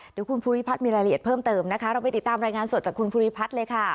เดี๋ยวคุณภูริพัฒน์มีรายละเอียดเพิ่มเติมนะคะเราไปติดตามรายงานสดจากคุณภูริพัฒน์เลยค่ะ